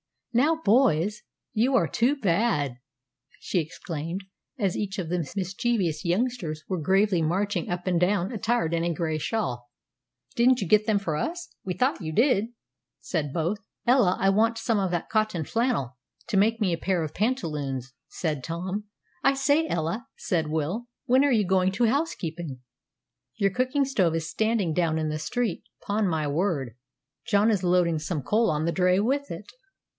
"Now, boys, you are too bad!" she exclaimed, as each of the mischievous youngsters were gravely marching up and down, attired in a gray shawl. "Didn't you get them for us? We thought you did," said both. "Ella, I want some of that cotton flannel, to make me a pair of pantaloons," said Tom. "I say, Ella," said Will, "when are you going to housekeeping? Your cooking stove is standing down in the street; 'pon my word, John is loading some coal on the dray with it."